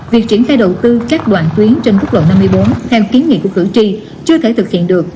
việc triển khai đầu tư các đoạn tuyến trên quốc lộ năm mươi bốn theo kiến nghị của cử tri chưa thể thực hiện được